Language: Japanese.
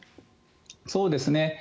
そうですね。